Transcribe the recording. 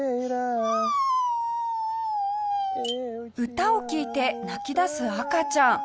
歌を聴いて泣きだす赤ちゃん。